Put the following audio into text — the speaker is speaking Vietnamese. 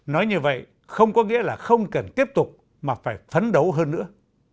nói như vậy không có nghĩa là không cần tiếp tục mà phải phấn đấu hơn nữa